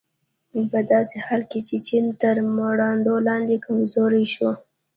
په داسې حال کې چې چین تر مراندو لاندې کمزوری شو.